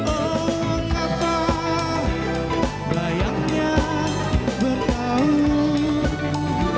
oh kata layaknya bertahun